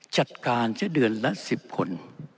จัดการจะเดือนละ๑๐คน